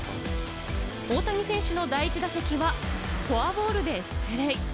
大谷選手の第１打席はフォアボールで出塁。